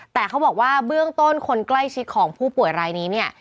แต่เขาบอกว่าเบื้องต้นคนใกล้ชิดของผู้ป่วยรายนี้เนี่ย